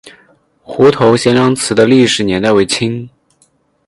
湖头贤良祠的历史年代为清。